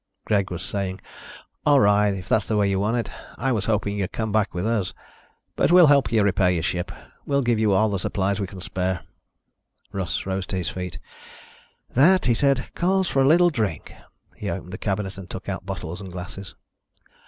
Greg was saying, "All right, if that's the way you want it. I was hoping you'd come back with us. But we'll help you repair your ship. We'll give you all the supplies we can spare." Russ rose to his feet. "That," he said, "calls for a little drink." He opened a cabinet and took out bottles and glasses.